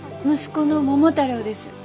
息子の桃太郎です。